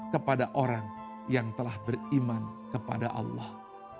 kepada orang yang telah beriman kepada allah